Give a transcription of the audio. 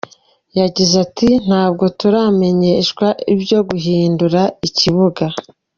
Yagize ati “Ntabwo turamenyeshwa ibyo guhindura ikibuga.